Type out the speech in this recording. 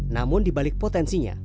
namun di balik potensinya